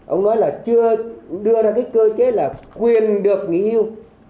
ông nói là chưa đưa ra cái cơ chế là quyền được nghỉ hưu